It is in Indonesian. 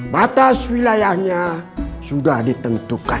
batas wilayahnya sudah ditentukan